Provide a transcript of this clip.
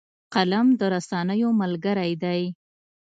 قلم د رسنیو ملګری دی